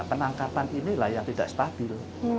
penangkapan inilah yang tidak stabil